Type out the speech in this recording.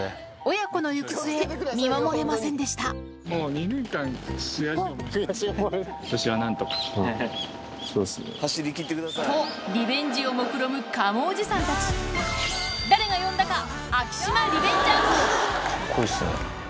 親子の行く末見守れませんでしたとリベンジをもくろむカモおじさんたち誰が呼んだかカッコいいっすね。